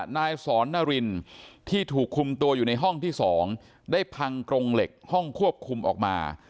นายสอนนารินที่ถูกคุมตัวอยู่ในห้องที่๒ได้พังกรงเหล็กห้องควบคุมออกมา